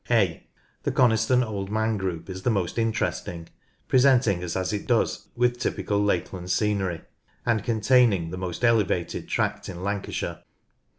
[a] The Coniston Old Man group is the most interesting, presenting us as it does with typical lakeland scenery, and containing the most elevated tract in Lanca shire.